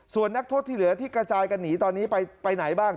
ส่วนนักโทษที่เหลือที่กระจายกันหนีตอนนี้ไปไหนบ้าง